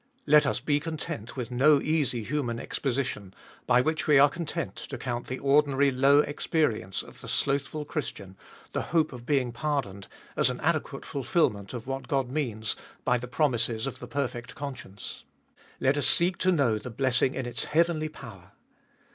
Let us be content with no easy human exposition, by which we are content to count the ordinary low experience of the slothful Christian — the hope of being pardoned, as an adequate fulfilment of what God means by the promises of the perfect conscience. Let us seek to know the blessing in its heavenly power.